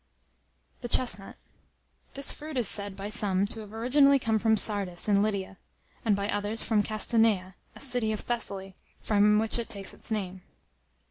] THE CHESTNUT. This fruit is said, by some, to have originally come from Sardis, in Lydia; and by others, from Castanea, a city of Thessaly, from which it takes its name.